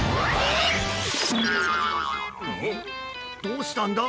どうしたんだ？